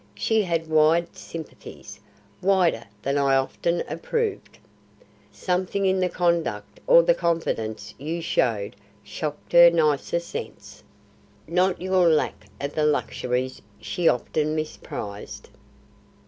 She had wide sympathies wider than I often approved. Something in your conduct or the confidence you showed shocked her nicer sense; not your lack of the luxuries she often misprised.